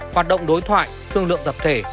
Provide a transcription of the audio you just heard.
hoạt động đối thoại thương lượng tập thể